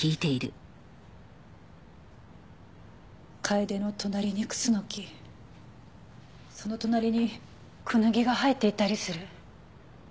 カエデの隣にクスノキその隣にクヌギが生えていたりする。